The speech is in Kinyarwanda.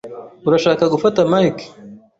Urashaka gufata mic?